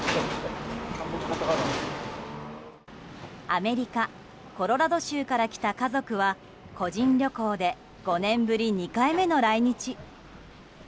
アメリカ・コロラド州から来た家族は個人旅行で５年ぶり２回目の来日。